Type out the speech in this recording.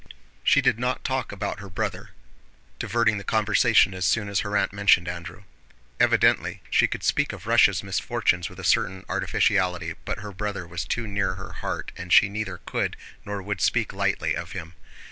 She did not talk about her brother, diverting the conversation as soon as her aunt mentioned Andrew. Evidently she could speak of Russia's misfortunes with a certain artificiality, but her brother was too near her heart and she neither could nor would speak lightly of him.